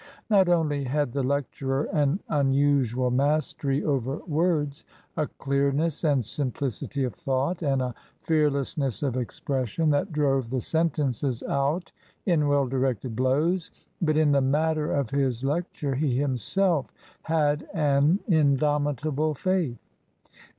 Not only had the lecturer an unusual mastery over words, a clearness and simplicity of thought and a fearlessness of expression, that drove the sentences out in well directed blows, but in the matter of his lec ture he himself had an indomitable faith.